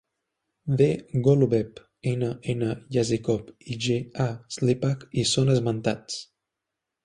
D. Golubev, N. N. Yazykov i G. A. Slipak hi són esmentats.